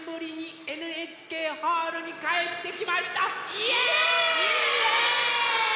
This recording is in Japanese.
イエーイ！